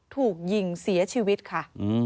ถูกยิงเสียชีวิตค่ะ